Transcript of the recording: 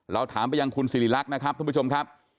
เราถามไปยังคุณสิริรักษ์นะครับท่านผู้ชมครับ